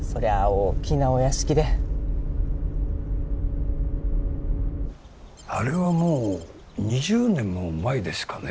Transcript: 大きなお屋敷であれはもう２０年も前ですかね